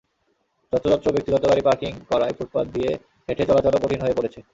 যত্রতত্র ব্যক্তিগত গাড়ি পার্কিং করায় ফুটপাত দিয়ে হেঁটে চলাচলও কঠিন হয়ে পড়েছে।